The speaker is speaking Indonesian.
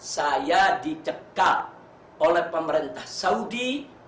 saya dicekat oleh pemerintah saudi